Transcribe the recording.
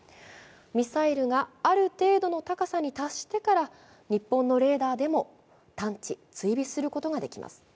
ミサイルがある程度の高さに達してから日本のレーダーでも探知・追尾することができます。